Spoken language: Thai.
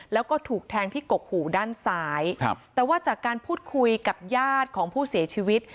แล้วก็ถูกแทงที่กกหูด้านซ้ายครับแต่ว่าจากการพูดคุยกับญาติของผู้เสียชีวิต